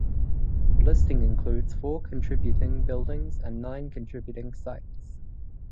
The listing includes four contributing buildings and nine contributing sites.